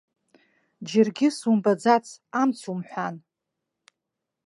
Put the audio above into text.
Џьаргьы сумбаӡац, амц умҳәан.